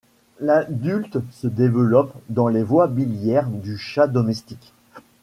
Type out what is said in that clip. L’adulte se développe dans les voies biliaires du Chat domestique.